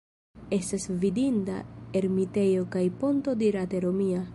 Estas vidinda ermitejo kaj ponto dirate romia.